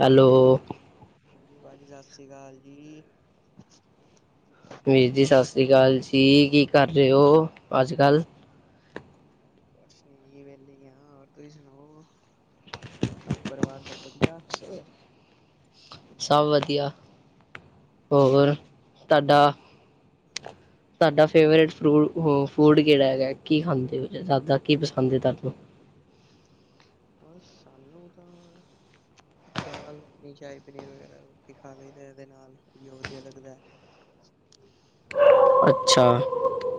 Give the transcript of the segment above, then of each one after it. Hello ਹਾਂਜੀ ਭਾਜੀ ਸਤਿ ਸ੍ਰੀ ਅਕਾਲ ਜੀ ਵੀਰ ਜੀ ਸਤਿ ਸ਼੍ਰੀ ਅਕਾਲ ਜੀ ਕੀ ਕਰ ਰਹੇ ਹੋ ਅੱਜ ਕੱਲ੍ਹ ਬਸ ਠੀਕ ਵਹਲੀ ਆ ਹੋਰ ਤੁਸੀਂ ਸੁਣਾਓ ਘਰ ਪਰਿਵਾਰ ਸਭ ਵਧੀਆ ਸਭ ਵਧੀਆ ਹੋਰ ਤੁਹਾਡਾ ਸਾਡਾ ਫੇਵਰੇਟ ਫੂ ਫੂਡ ਕਿਹੜਾ ਹੈਗਾ ਕੀ ਖਾਂਦੇਦਾ ਕੀ ਪਸੰਦ ਹੈ ਤੁਹਾਨੂੰ [inaudible] ਬਸ ਸਾਨੂੰ ਤਾਂ ਦਾਲਣੀ ਸ਼ਾਹੀ ਪਨੀਰ ਵਗੈਰਾ ਰੋਟੀ ਖਾ ਲਈਦਾ ਇਹਦੇ ਨਾਲ ਵਧੀਆ ਲੱਗਦਾ ਹੈ [inaudible] ਅੱਛਾ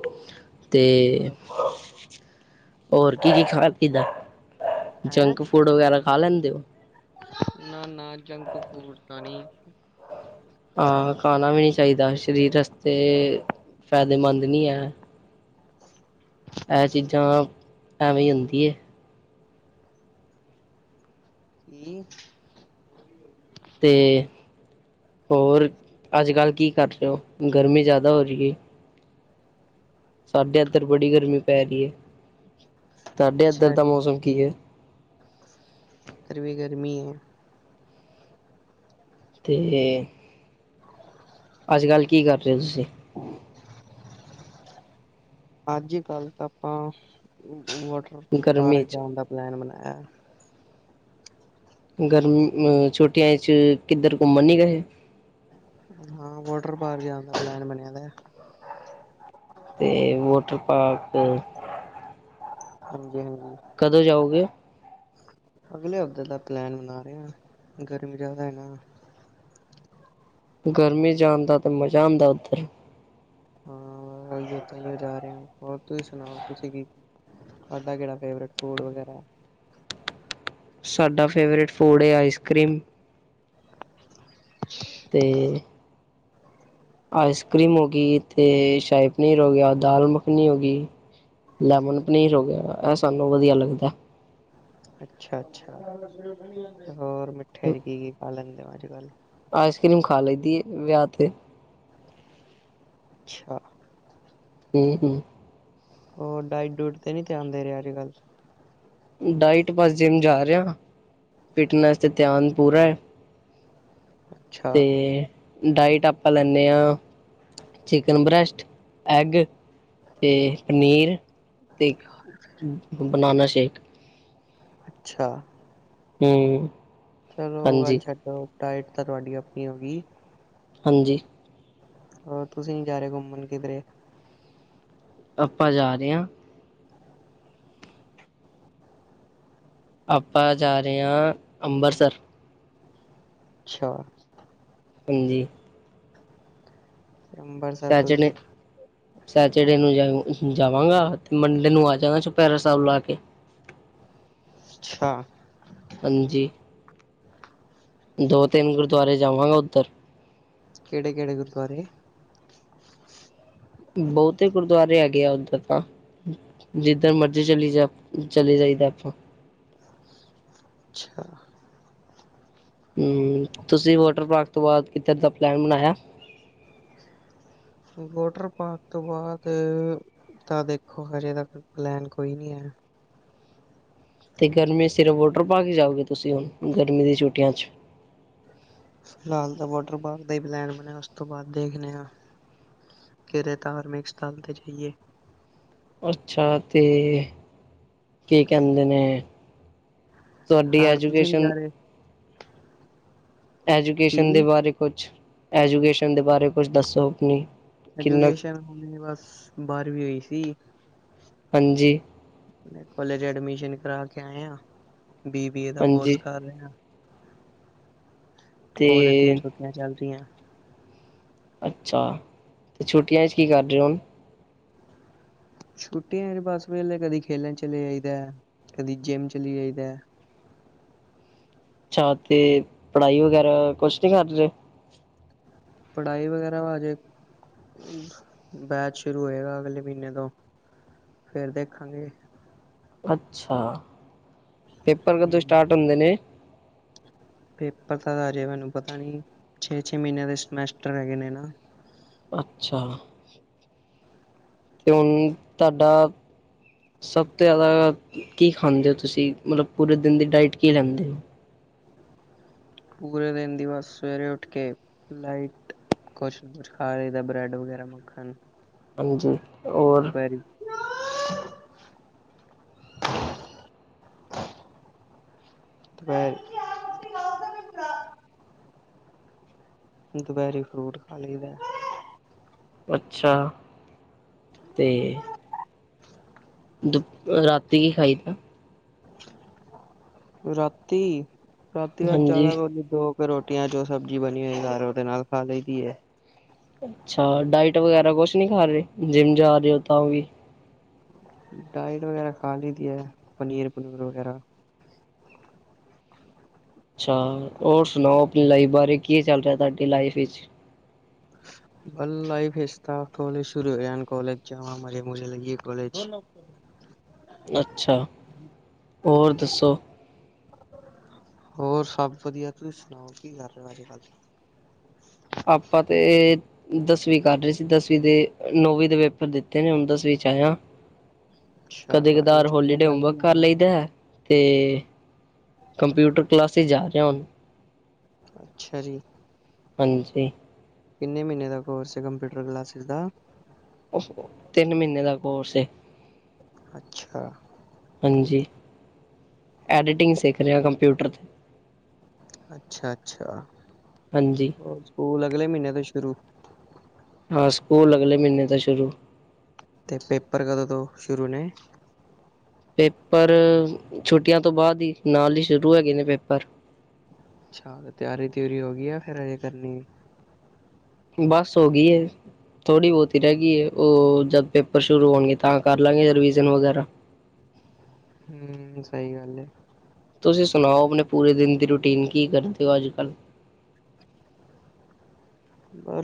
ਅਤੇ ਹੋਰ ਕੀ-ਕੀ ਖਾਬ ਕਿੱਦਾਂ ਹੈਂ ਹੋ ਨਾ-ਨਾ ਜੰਕ ਫੂਰ ਤਾਂ ਨਹੀਂ [inaudible] ਹਾਂ ਖਾਣਾ ਵੀ ਨਹੀ ਚਾਹੀਦਾ ਸਰੀਰ ਵਸਤੇ ਫਾਇਦੇਮੰਦ ਨਹੀ ਹੈ ਇਹ ਚੀਜ਼ਾਂ ਐਵੇਂ ਹੀ ਹੁੰਦੀ ਹੈ [inaudible] ਤੇ ਹੋਰ ਅੱਜ ਕੱਲ੍ਹ ਕੀ ਕਰ ਰਹੇ ਹੋ ਗਰਮੀ ਜ਼ਿਆਦਾ ਹੋ ਰਹੀ ਹੈ [unintelligible] ਸਾਡੇ ਇੱਧਰ ਬੜੀ ਗਰਮੀ ਪੈ ਰਹੀ ਹੈ ਇੱਧਰ ਦਾ ਮੌਸਮ ਕੀ ਹੈ ਗਰਮੀ ਵੀ ਗਰਮੀ ਹੈ ਤੇ ਅੱਜ ਕੱਲ੍ਹ ਕੀ ਕਰ ਰਹੇ ਹੋ ਤੁਸੀਂ ਅੱਜ ਕੱਲ ਤਾਂ ਆਪਾਂ ਵਾਟਰ ਗਰਮੀ ਪਾਰਕ 'ਚ ਜਾਣ ਦਾ ਪਲੈਨ ਬਣਾਇਆ [inaudible] ਗਰਮੀ ਅ ਛੁੱਟੀਆਂ ਚ ਕਿੱਧਰ ਘੁੰਮਣ ਨੀ ਗਏ? ਹਾਂ ਵੋਟਰ ਪਾਰਕ ਜਾਣ ਦਾ ਪਲੈਨ ਬਣਿਆ ਵਾ। ਅਤੇ ਵੋਟਰ ਪਾਰਕ। ਹਾਂ ਜੀ ਹਾਂ ਜੀ। ਕਦੋਂ ਜਾਉਗੇ? ਅਗਲੇ ਹਫ਼ਤੇ ਦਾ ਪਲੈਨ ਬਣਾ ਰਿਹਾ ਹਾਂ। ਗਰਮੀ ਜ਼ਿਆਦਾ ਹੈ ਨਾ। ਗਰਮੀ ਚ ਜਾਣਦਾ ਤੇ ਮਜ਼ਾ ਆਉਂਦਾ ਉੱਧਰ। ਹਾਂ ਤਾਂ ਜਾ ਰਹੇ ਹਾਂ। ਹੋਰ ਤੁਸੀਂ ਸੁਣਾਓ ਤੁਸੀੇ ਕੀ। ਤੁਹਾਡਾ ਕਿਹੜਾ ਫੇਵਰੇਟ ਫੂਡ ਵਗੈਰਾ? ਸਾਡਾ ਫੇਵਰੇਟ ਫੂਡ ਐ ਆਈਸ ਕਰੀਮ। ਤੇ। ਆਈਸ ਕਰੀਮ ਹੋ ਗਈ ਤੇ ਸ਼ਾਹੀ ਪਨੀਰ ਹੋ ਗਿਆ। ਦਾਲ ਮੱਖਣੀ ਹੋ ਗਈ। ਲੈਮਨ ਪਨੀਰ ਹੋ ਗਿਆ। ਇਹ ਸਾਨੂੰ ਵਧੀਆ ਲੱਗਦਾ। ਅੱਛਾ ਅੱਛਾ ਹੋਰ ਮਿੱਠੇ ਚ ਕੀ ਕੀ ਖਾ ਲੈਂਦੇ ਹੋ ਅੱਜ ਕੱਲ? ਆਈਸ ਕਰੀਮ ਖਾ ਲਈਦੀ ਵਿਆਹ ਤੇ। ਅੱਛਾ। ਹਮ ਹਮ। ਉਹ ਡਾਇਟ ਡੂਟ ਤੇ ਨਹੀਂ ਧਿਆਨ ਦੇ ਰਿਹਾ ਅੱਜ ਕੱਲ੍ਹ। ਡਾਇਟ ਬਸ ਜਿੰਮ ਜਾ ਰਿਹਾ। ਫਿਟਨੈਸ ਤੇ ਧਿਆਨ ਪੂਰਾ ਐ। ਅੱਛਾ ਤੇ ਡਾਇਟ ਆਪਾ ਲੈਂਦੇ ਹਾਂ। ਚਿਕਨ ਬਰੈੱਸਟ ਐੱਗ ਤੇ ਪਨੀਰ। ਤੇ ਬਨਾਨਾ ਸ਼ੇਕ। ਅੱਛਾ। ਹਮ। ਚਲੋ ਉਹ ਗੱਲ ਛੱਡੋ। ਡਾਈਟ ਤਾਂ ਤੁਹਾਡੀ ਆਪਣੀ ਹੋ ਗਈ। ਹਾਂ ਜੀ। ਹੋਰ ਤੁਸੀਂ ਨੀ ਜਾ ਰਹੇ ਘੁੰਮਣ ਕਿਧਰੇ? ਆਪਾਂ ਜਾ ਰਹੇ ਹਾਂ। ਆਪਾਂ ਜਾ ਰਹੇ ਹਾਂ ਅੰਬਰਸਰ। ਅੱਛਾ। ਪੰਜੀ। ਤੇ ਅੰਬਰਸਰ ਸੈਚਰਡੇ ਤੁਸੀਂ ਸੈਚਰਡੇ ਨੂੰ ਜਾਉ। ਜਾਵਾਂਗਾ ਤੇ ਮੰਡੇ ਨੂੰ ਆ ਜਾਵਗਾ ਚਪਹਿਰਾ ਸਾਹਿਬ ਲਾ ਕੇ। ਅੱਛਾ। ਪੰਜੀ। ਦੋ ਤਿੰਨ ਗੁਰਦੁਆਰੇ ਜਾਵਾਂਗਾ ਉੱਧਰ। ਕਿਹੜੇ ਕਿਹੜੇ ਗੁਰਦੁਆਰੇ? ਬਹੁਤੇ ਗੁਰਦੁਆਰੇ ਹੈਗੇ ਆ ਉੱਧਰ ਤਾਂ। ਜਿੱਧਰ ਮਰਜ਼ੀ ਚਲੀ ਜਾ ਚਲੇ ਜਾਈਦਾ ਉੱਥੋਂ। ਅੱਛਾ। ਹਮ ਤੁਸੀਂ ਵੋਟਰ ਪਾਰਕ ਤੋਂ ਬਾਅਦ ਕਿਤੇ ਦਾ ਪਲੈਨ ਬਣਾਇਆ? [inaudible] ਵੋਟਰ ਪਾਰਕ ਤੋਂ ਬਾਅਦ। ਤਾਂ ਦੇਖੋ ਹਜੇ ਤੱਕ ਪਲੈਨ ਕੋਈ ਨਹੀਂ ਹੈ। ਤੇ ਗਰਮੀ ਚ ਸਿਰਫ ਵੋਟਰ ਪਾਰਕ ਹੀ ਜਾਉਗੇ ਤੁਸੀਂ। ਹੁਣ ਗਰਮੀ ਦੀਆਂ ਛੁੱਟੀਆਂ ਚ। ਫਿਲਹਾਲ ਤਾਂ ਵੋਟਰ ਪਾਰਕ ਦਾ ਹੀ ਪਲੈਨ ਬਣਿਆ। ਉਸ ਤੋਂ ਬਾਅਦ ਦੇਖਦੇ ਹਾਂ। ਕਿਤੇ ਧਾਰਮਿਕ ਸਥਾਨ ਤੇ ਜਾਈਏ। ਅੱਛਾ ਤੇ ਕੀ ਕਹਿੰਦੇ ਨੇ? ਤੁਹਾਡੀ ਹਾਰ ਤੁਸੀਂ ਨੀ ਜਾ ਐਜੂਕੇਸ਼ਨ? ਰਹੇ ਕੀ ਐਜੂਕੇਸ਼ਨ ਦੇ ਬਾਰੇ ਕੁਝ। ਐਜੂਕੇਸ਼ਨ ਦੇ ਬਾਰੇ ਕੁਝ ਦੱਸੋ ਆਪਣੀ। ਕਿੰਨਾ ਐਜੂਕੇਸ਼ਨੇ! ਬਸ ਬਾਰਵੀਂ ਹੋਈ ਸੀ। ਹਾਂਜੀ ਕੋਲੇਜ ਏਡਮਿਸ਼ਨ ਕਰ ਕੇ ਆਏ ਹਾਂ। ਬੀ ਬੀ ਏ ਦਾ ਹਾਂਜੀ ਕੋਰਸ ਕਰ ਰਹੇ ਹਾਂ। ਤੇ ਕੋਲਜ ਦੀਆਂ ਛੋਟੀਆਂ ਚੱਲਰਿਆਂ। ਅੱਛਾ, ਅਤੇ ਛੁੱਟੀਆਂ 'ਚ ਕਿ ਕਰ ਰਹੇ ਹੁਣ। ਛੁੱਟੀਆਂ ਐ ਬਸ ਵੇਲੇ ਕਦੀ ਖੇਲਣ ਚਲੇ ਜਾਈਦਾ। ਕਦੀ ਜਿੰਮ ਚਲੀ ਆਈਦਾ। [inaudible] ਅੱਛਾ ਤੇ ਪੜ੍ਹਾਈ ਵਗੈਰਾ ਕੁਛ ਨਹੀਂ ਕਰ ਰਹੇ। ਪੜ੍ਹਾਈ ਵਗੈਰਾ ਹਜੇ ਬੈਚ ਸ਼ੁਰੂ ਹੋਏਗਾ ਅਗਲੇ ਮਹੀਨੇ ਤੋਂ। ਫੇਰ ਦੇਖਾਂਗੇ। ਅੱਛਾ! ਪੇਪਰ ਕਦੋਂ ਹੂੰ। ਸਟਾਰਟ ਹੁੰਦੇ ਨੇ। ਪੇਪਰ ਤਾਂ ਅਜੇ ਮੈਨੂੰ ਪਤਾ ਨੀ। ਛੇ -ਛੇ ਮਹੀਨਿਆਂ ਦੇ ਸਮੈਸਟਰ ਹੈਗੇ ਨੇ ਨਾ। ਅੱਛਾ। ਤੇ ਹੁਣ ਤੁਹਾਡਾ ਸਭ ਤੋਂ ਜ਼ਿਆਦਾ ਕਿ ਖਾਂਦੇ ਹੋ ਤੁਸੀਂ? ਮਤਲਬ ਪੂਰੇ ਦਿਨ ਦੀ ਡਾਇਟ ਕਿ ਲੈਂਦੇ ਹੋ? ਪੂਰੇ ਦਿਨ ਦੀ ਬੱਸ ਸਵੇਰੇ ਉੱਠ ਕੇ ਲਾਈਟ ਕੁਛ -ਕੁਛ ਖਾ ਲਈਦਾ ਬ੍ਰੈਡ ਵਗੈਰਾ ਮੱਖਣ। ਹਾਂਜੀ, ਹੋਰ। [inaudible] ਹ ਦੁਪਹਿਰੇ ਫਰੂਟ ਖਾ ਲਈਦਾ। ਅੱਛਾ! ਤੇ ਦੁ ਰਾਤੀ ਕੀ ਖਾਈਦਾ ਰਾਤੀ! ਰਾਤੀ ਬਾਅਦ ਹਾਂਜੀ ਜਿਆਦਾ ਕਰਨ ਦੋ ਫ ਰੋਟੀਆਂ ਜੋ ਸਬਜ਼ੀ ਬਣੀ ਹੋਈ ਸਾਰ ਉਹਦੇ ਨਾਲ ਖਾ ਲਈਦੀ ਹੈ ਅੱਛਾ, ਡਾਇਟ ਵਗੈਰਾ ਕੁਛ ਨਹੀ ਖਾ ਰਹੇ ਜਿੰਮ ਜਾ ਰਹੇ ਹੋ ਤਾਂ ਵੀ ਡਾਇਟ ਵਗੈਰਾ ਖਾ ਲਈਦੀ ਹੈ ਪਨੀਰ- ਪਨੂਰ ਵਗੈਰਾ। ਅੱਛਾ ਹੋਰ ਸੁਣਾਓ ਆਪਣੀ ਲਾਈਫ ਬਾਰੇ ਕੀ ਚੱਲ ਰਿਹਾ ਤੁਹਾਡੀ ਲਾਈਫ ਵਿਚ? ਹਾਂ [inaudible] ਨਹੀਂ ਫਿਰ ਤਾਂ ਕਾਲਜ ਸ਼ੁਰੂ ਹੋ ਜਾਣ ਤੇ ਜਾਵਾਂ ਕਾਲਜ ਮਾਝੇ ਮੁਝੇ ਲੇਵਾ ਕਾਲਜ ਅੱਛਾ ਹੋਰ ਦੱਸੋ ਹੋਰ ਸਭ ਵਧੀਆ ਤੁਸੀਂ ਸੁਣਾਓ ਕਿ ਕਰ ਰਹੇ ਹੋ ਅੱਜ- ਕੱਲ? ਆਪਾਂ ਤੇ ਦਸਵੀਂ ਕਰ ਰਹੇ ਸੀ। ਦਸਵੀਂ ਦੇ ਨੌਵੀਂ ਦੇ ਪੇਪਰ ਦਿੱਤੇ ਨੇ ਹੁਣ ਦਸਵੀਂ ਚਾਹਆ ਅੱਛਾ ਕਦੇ ਤੁਹਾਡੀਆਂ -ਕਦਾਰ ਛੁੱਟੀਆਂ ਹੋਲੀਡੇ ਹੋਮਵਰਕ ਚੱਲਦੀਆਂ ਕਰ ਨੇ ਲਈਦਾ ਤੇ ਕੰਪਿਊਟਰ ਕਲਾਸਿਸ ਜਾ ਰਿਹਾ ਹੁਣ। ਅੱਛਾ ਜੀ ਹਾਂਜੀ ਕਿੰਨੇ ਮਹੀਨੇ ਦਾ ਕੋਰਸ ਹੈ ਕੰਪਿਊਟਰ ਕਲਾਸਿਸ ਦਾ? ਤਿੰਨ ਮਹੀਨੇ ਦਾ ਕੋਰਸ ਹੈ। ਅੱਛਾ ਹਾਂਜੀ, ਐਡਿਟਿੰਗ ਸਿੱਖ ਰਿਹਾ ਕੰਪਿਊਟਰ ਤੇ ਅੱਛਾ- ਅੱਛਾ, ਹਾਂਜੀ ਹੋਰ ਸਕੂਲ ਅਗਲੇ ਮਹੀਨੇ ਤੋਂ ਸ਼ੁਰੂ ਹਾਂ, ਸਕੂਲ ਅਗਲੇ ਮਹੀਨੇ ਤੋਂ ਸ਼ੁਰੂ ਅਤੇ ਪੇਪਰ ਕਦੋਂ ਤੋਂ ਸ਼ੁਰੂ ਨੇ? ਪੇਪਰ! ਛੁੱਟੀਆਂ ਤੋਂ ਬਾਅਦ ਹੀ ਨਾਲ ਹੀ ਸ਼ੁਰੂ ਹੈਗੇਏ ਨੇ ਪੇਪਰ। ਅੱਛਾ! ਤਿਆਰੀ- ਤਿਓਰੀ ਹੋ ਗਈ ਆ ਫਿਰ ਅਜੇ ਕਰਨੀ ਹੈ। ਬਸ ਹੋ ਗਈ ਏ। ਥੋੜੀ ਬਹੁਤੀ ਰਹਿ ਗਈ ਹੈ, ਉਹ ਜਦ ਪੇਪਰ ਸ਼ੁਰੂ ਹੋਣਗੇ ਤਾਂ ਕਰ ਲਾਂਗੇ ਰਿਵਿਜ਼ਨ ਵਗੈਰਾ। ਹੂੰ, ਸਹੀ ਗੱਲ ਐ। ਤੁਸੀਂ ਸੁਣਾਓ? ਆਪਣੇ ਪੂਰੇ ਦਿਨ ਦੀ ਰੂਟੀਨ ਕੀ ਕਰਦੇ ਹੋ ਅੱਜ-ਕੱਲ੍ਹ?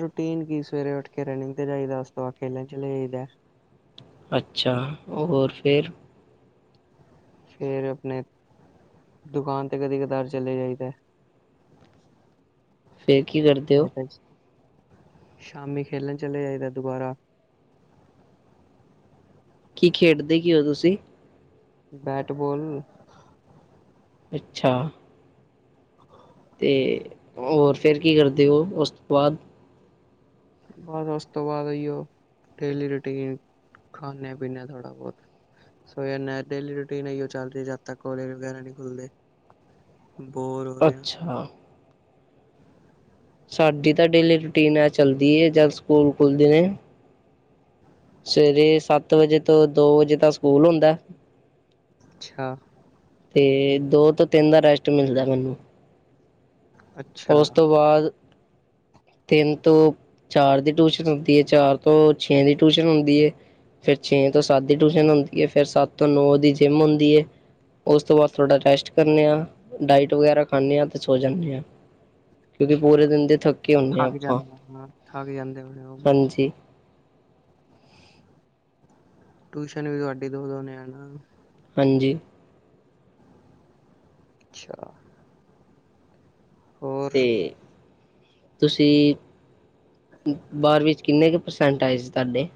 ਰੂਟੀਨ ਕੀ ਸਵੇਰੇ ਉੱਠ ਕੇ ਰਨਿੰਗ ਤੇ ਜਾਈਦਾ ਉਸ ਤੋਂ ਬਾਅਦ ਲੰਚ ਲਿਆ। ਅੱਛਾ, ਹੋਰ ਫਿਰ? ਫਿਰ ਆਪਣੇ ਦੁਕਾਨ ਤੇ ਕਦੇ ਕਦਾਰ ਚਲੇ ਜਾਈਦਾ। ਕੀ ਕਰਦੇ ਔ? ਸ਼ਾਮੇ ਖੇਲਣ ਚਲੀ ਜਾਏ ਦਾ ਦੁਬਾਰਾ, ਕੀ ਖੇਡਦੇ ਕੀ ਹੋ ਤੁਸੀਂ? ਬੈਟ ਬਾਲ ਅੱਛਾ, ਤੇ ਹੋਰ ਫਿਰ ਕੀ ਕਰਦੇ ਉਹ ਉਸ ਤੋਂ ਬਾਅਦ ਉਸ ਤੋਂ ਬਾਅਦ ਈਓ ਡੇਲੀ ਰੂਟੀਨ ਖਾਨੇ-ਪੀਨੇ ਆ ਥੋੜਾ ਬਹੁਤ ਸੋ ਡੇਲੀ ਰੂਟੀਨ ਹੈ, ਉਹ ਚੱਲ ਰਹੀ ਜਦ ਤੱਕ ਕੋਲੇਜ ਵਗੈਰਾ ਨਹੀਂ ਖੁੱਲਦੇ। ਬੋਰ ਹੋ ਰਿਹਾ। ਅੱਛਾ ਸਾਡੀ ਤਾਂ ਡੇਲੀ ਰੂਟੀਨ ਆ ਚੱਲਦੀ ਹੈ, ਜਦ ਸਕੂਲ ਖੁੱਲਦੇ ਨੇ, ਸਵੇਰੇ ਸੱਤ ਵਜੇ ਤੋਂ ਦੋ ਵਜੇ ਤਾਂ ਸਕੂਲ ਹੁੰਦਾ। ਅੱਛਾ, ਤੇ ਦੋ ਤੋਂ ਤਿੰਨ ਦਾ ਰੈਸਟ ਮਿਲਦਾ ਮੈਨੂੰ, ਅੱਛਾ ਓਸ ਤੋਂ ਬਾਅਦ ਤਿੰਨ ਤੋਂ ਚਾਰ ਦੀ ਟਿਊਸ਼ਨ ਹੁੰਦੀ ਏ, ਚਾਰ ਤੋਂ ਛੇ ਦੀ ਟਿਊਸ਼ਨ ਹੁੰਦੀ ਏ। ਫੇਰ ਛੇ ਤੋਂ ਸੱਤ ਦੀ ਟਿਊਸ਼ਨ ਹੁੰਦੀ ਏ, ਫੇਰ ਸੱਤ ਤੋਂ ਨੌ ਦੀ ਜਿਮ ਹੁੰਦੀ ਏ। ਓਸ ਤੋਂ ਬਾਦ ਥੋੜਾ ਰੈਸਟ ਕਰਨੇ ਆਂ, ਡਾਇਟ ਵਗੈਰਾ ਖਾਂਨੇ ਆਂ ਤੇ ਸੋ ਜਾਂਨੇ ਆਂ। ਅੱਛਾ, ਹਾਂ ਥਕ ਆਪਾਂ ਜਾਂਦੇ ਥਕ ਜਾਂਦੇ ਓ। ਹਾਂਜੀ ਟਿਊਸ਼ਨ ਵੀ ਤੁਹਾਡੀ ਦੋ-ਦੋ ਨੇ ਹੈਨਾ। ਹਂਜੀ। ਅੱਛਾ। ਹੋਰ ਤੇ ਤੁਸੀ ਬਾਰਵੀਂ ਚ ਕਿੰਨੇ ਕੁ ਪਰਸੈਂਟ ਆਏ ਸੀ ਤੁਹਾਡੇ?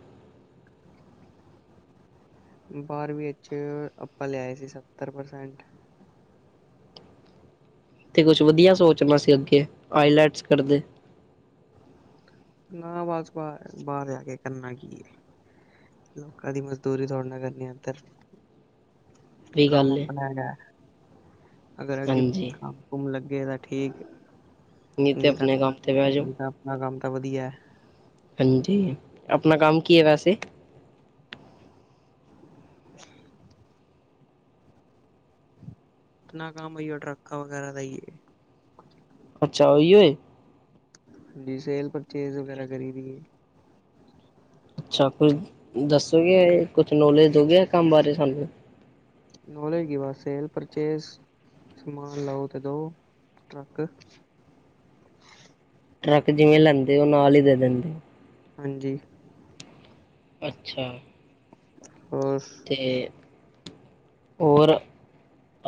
ਬਾਰਵੀ ਇਚ ਆਪਾਂ ਲਿਆਏ ਸੀ, ਸੱਤਰ ਪਰਸੈਂਟ। ਤੇ ਕੁਛ ਵਧੀਆ ਸੋਚਣਾ ਸੀ ਅੱਗੇ ਆਈਲੈਟਸ ਕਰਦੇ। ਨਾ ਵਸ ਬਾਰ ਬਾਹਰ ਜਾ ਕੇ ਕਰਨਾ ਕੀ ਏ? ਲੋਕਾਂ ਦੀ ਮਜ਼ਦੂਰੀ ਥੋੜ੍ਹ ਨਾ ਕਰਨੀ ਏਧਰ। ਵੀ ਕੰਮ ਗੱਲ ਏ ਅਪਣਾ ਹੈਗਾ ਐ‌। ਅਗਰ ਅੱਗੇ ਹਾਂਜੀ ਕੰਮ ਕੁਮ ਲੱਗੇ ਤਾਂ ਠੀਕ। ਨਈ ਤੇ ਨਹੀਂ ਤਾਂ ਆਪਣੇ ਘਰ ਕੰਮ ਤੇ ਬੈ ਜੋ। ਨਹੀਂ ਤਾਂ ਆਪਣਾ ਕੰਮ ਵਧੀਆ ਐ। ਜੀ, ਆਪਣਾ ਕੰਮ ਕੀ ਐ ਵੈਸੇ? ਅਪਨਾ ਕੰਮ ਓਈ ਓ ਟਰੱਕਾ ਵਗੈਰਾ ਦਾ ਈ ਏ। ਅੱਛਾ, ਔਈ ਓਏ। ਜੀ ਸੇਲ ਪਰਚੇਜ਼ ਵਗੈਰਾ ਕਰੀ ਦੀ ਏ। ਅੱਛਾ, ਕੁਛ ਦੱਸੋਗੇ ਕੁਛ ਨੌਲੇਜ ਦੋਗੇ ਐ ਕੰਮ ਬਾਰੇ ਸਾਨੂੰ? ਨੋਲੇਜ ਕੀ ਬਸ ਸੇਲ ਪਰਚੇਜ਼। ਸਮਾਨ ਲਓ ਤੇ ਦਓ ਟਰੱਕ। ਟਰੱਕ ਜਿਵੇਂ ਲੈਂਦੇ ਓ ਨਾਲ ਹੀ ਦੇ ਦਿੰਦੇ। ਹਾਂਜੀ। ਅੱਛਾ। ਹੋਰ ਤੇ ਹੋਰ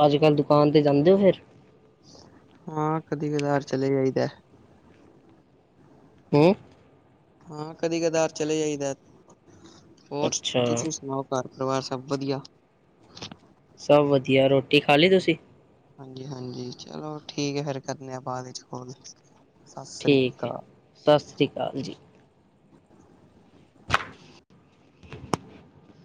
ਅੱਜ ਕੱਲ੍ਹ ਦੁਕਾਨ ਤੇ ਜਾਂਦੇ ਓ ਫੇਰ? ਹਾਂ ਕਦੀ-ਕਦਾਰ ਚਲੇ ਜਾਈਦਾ। ਹੁਂ। ਹਾਂ ਕਦੀ ਕਦਾਰ ਚਲੇ ਜਾਈਦਾ। ਹੋਰ ਅੱਛਾ ਤੁਸੀ ਸੁਣਾਓ ਘਰ ਪਰਿਵਾਰ ਸਭ ਵਦੀਆ। ਸਬ ਵਦੀਆ ਰੋਟੀ ਖਾ ਲਈ ਤੁਸੀ? ਹਾਂਜੀ- ਹਾਂਜੀ, ਚਲੋ ਠੀਕ ਏ ਫੇਰ ਕਰਨੇ ਆਂ ਬਾਦ ਚ ਕੋਲ। ਸ੍ਰੀ ਠੀਕ ਏ, ਅਕਾਲ ਸਾਸੀ ਕਾਲ ਜੀ।